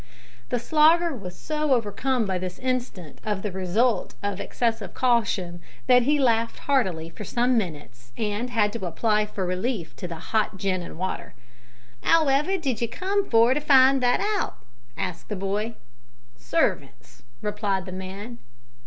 The Slogger was so overcome by this instance of the result of excessive caution, that he laughed heartily for some minutes, and had to apply for relief to the hot gin and water. "'Ow ever did you come for to find that hout?" asked the boy. "Servants," replied the man.